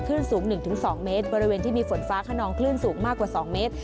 ขึ้นสูง๑๒เมตรบริเวณที่มีฝนฟ้าขนองคลื่นสูงมากกว่า๒เมตร